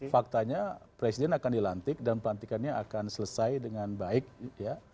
faktanya presiden akan dilantik dan pelantikannya akan selesai dengan baik ya